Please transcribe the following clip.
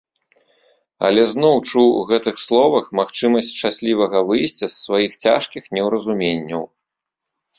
Але зноў чуў у гэтых словах магчымасць шчаслівага выйсця з сваіх цяжкіх неўразуменняў.